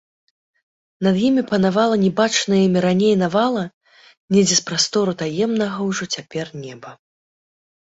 Над імі панавала нябачаная імі раней навала недзе з прастору таемнага ўжо цяпер неба.